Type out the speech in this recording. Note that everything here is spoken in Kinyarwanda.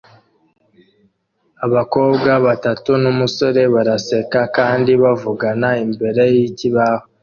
Abakobwa batatu numusore barasetsa kandi bavugana imbere yikibaho